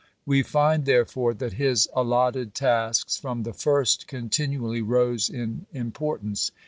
We find therefore that his allotted tasks from the first continually rose in im portance.